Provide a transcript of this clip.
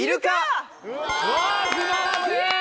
うわ素晴らしい！